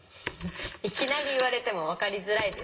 いきなり言われても分かりづらいですよね。